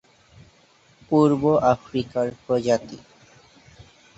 পূর্ব-আফ্রিকার প্রজাতি।